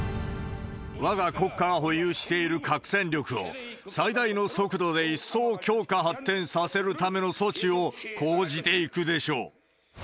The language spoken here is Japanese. わが国家が保有している核戦力を、最大の速度で一層強化、発展させるための措置を講じていくでしょ